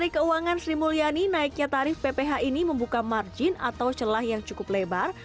menteri keuangan sri mulyani naiknya tarif pph ini membuka margin atau celah yang cukup lebar